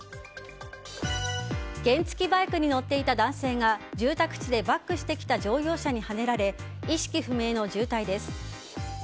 原付きバイクに乗っていた男性が住宅地でバックしてきた乗用車にはねられ意識不明の重体です。